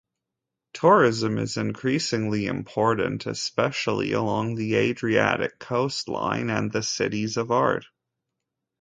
Tourism is increasingly important, especially along the Adriatic coastline and the cities of art.